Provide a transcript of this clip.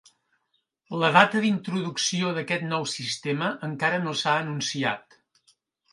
La data d'introducció d'aquest nou sistema encara no s'ha anunciat.